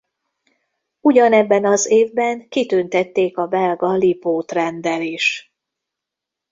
Ugyanebben az évben kitüntették a belga Lipót-renddel is.